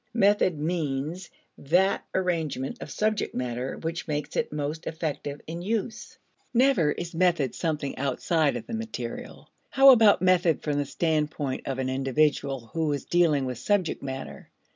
Method means that arrangement of subject matter which makes it most effective in use. Never is method something outside of the material. How about method from the standpoint of an individual who is dealing with subject matter?